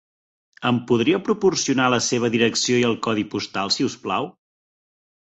Em podria proporcionar la seva direcció i el codi postal, si us plau?